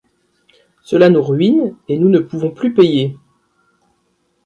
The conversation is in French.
Cela nous ruine et nous ne pouvons plus payer.